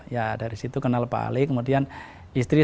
jadi saya menjelaskan bahwa ini adalah